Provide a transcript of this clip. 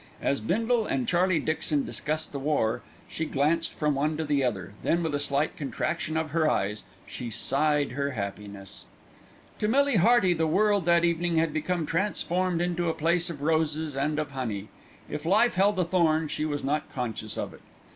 As Bindle and Charlie Dixon discussed the war, she glanced from one to the other, then with a slight contraction of her eyes, she sighed her happiness. To Millie Hearty the world that evening had become transformed into a place of roses and of honey. If life held a thorn, she was not conscious of it.